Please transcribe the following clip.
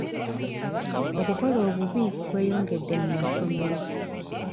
Okukola obubi kweyongedde mu masomero.